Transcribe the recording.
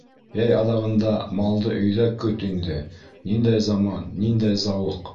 Йәй аҙағында малды өйҙә көт инде, ниндәй заман, ниндәй зауыҡ!